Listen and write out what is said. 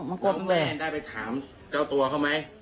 มันกลัวเป็นแบบนี้